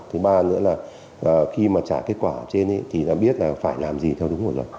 thứ ba nữa là khi mà trả kết quả trên thì biết là phải làm gì theo đúng hồi rồi